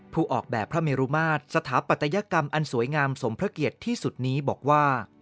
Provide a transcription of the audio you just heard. ออกแบบพระเมรุมาตรสถาปัตยกรรมอันสวยงามสมพระเกียรติที่สุดนี้บอกว่า